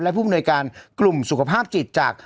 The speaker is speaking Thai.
และผู้มนวยการกลุ่มสุขภาพจิตจาก